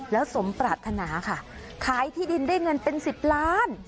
แล้วสมปรารถนาค่ะขายที่ดินได้เงินเป็น๑๐ล้าน